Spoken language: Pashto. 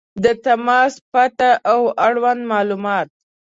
• د تماس پته او اړوند معلومات